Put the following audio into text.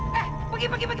pergi pergi pergi pergi